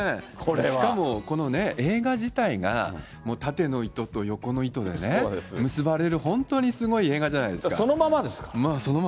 しかも、このね、映画自体が縦の糸と横の糸でね、結ばれる、本当にすごい映画じゃそのままです。